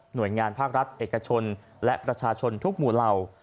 โดยงานภาครัฐเอกชนและประชาชนทุกหมู่เหล่า